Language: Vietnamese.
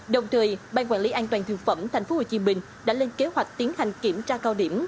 đồng thời ban quản lý an toàn thực phẩm tp hcm đã lên kế hoạch tiến hành kiểm tra cao điểm